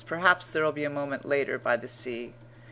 Perhaps there'll be a moment later by the sea.